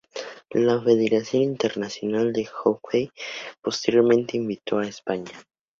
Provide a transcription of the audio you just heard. La Federación Internacional de Hockey posteriormente invitó a España.